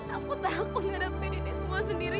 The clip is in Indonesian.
aku takut ngadepin ini semua sendiri